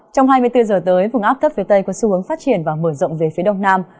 trong hai mươi bốn giờ tới vùng áp thấp phía tây có xu hướng phát triển và mở rộng về phía đông nam